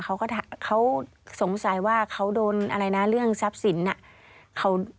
เขาสงสัยว่าเขาโดนอะไรนะเรื่องรักษัพศิลป์น่ะ